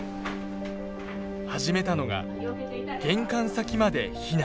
始めたのが玄関先まで避難。